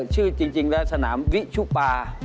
ชื่อจริงแล้วสนามวิชุปา